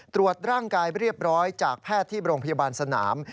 ตรวจร่างกายเรียบร้อยจากแพทย์ที่โรงพยาบาลสนาม